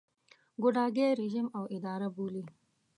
ګوډاګی رژیم او اداره بولي.